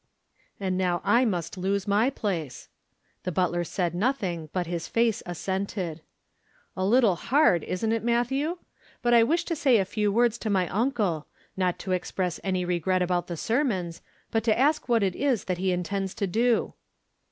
"And now I must lose my place." The butler said nothing, but his face assented. "A little hard, isn't it, Matthew? But I wish to say a few words to my uncle, not to express any regret about the sermons, but to ask what it is that he intends to do."